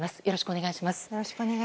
よろしくお願いします。